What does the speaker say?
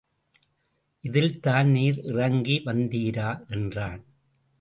இதில்தான் நீர் இறங்கி வந்தீரா? என்றான்.